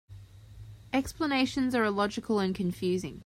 Explanations are illogical and confusing.